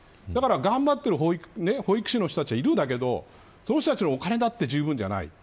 頑張っている保育士の人たちはいるんだけどこの人たちのお金だってじゅうぶんじゃない。